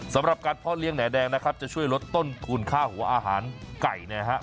สำหรับการเพาะเลี้ยงแหน่แดงนะครับจะช่วยลดต้นทุนค่าหัวอาหารไก่นะครับ